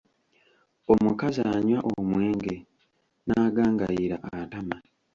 Omukazi anywa omwenge n’agangayira atama.